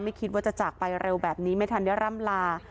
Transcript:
คิดว่าจะจากไปเร็วแบบนี้ไม่ทันได้ร่ำลา